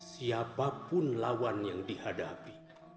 siapapun lawan yang dihadapi